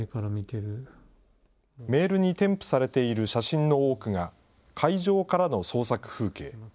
メールに添付されている写真の多くが、海上からの捜索風景。